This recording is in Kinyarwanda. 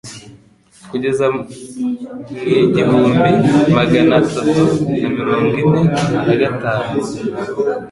kugeza mu i igihumbi magana atatu na mirongo ini nagatanu